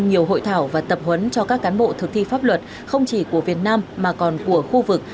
nhiều hội thảo và tập huấn cho các cán bộ thực thi pháp luật không chỉ của việt nam mà còn của khu vực